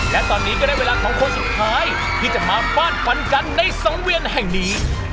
และตอนนี้ก็ได้เวลาของคนสุดท้ายที่จะมาฟาดฟันกันในสังเวียนแห่งนี้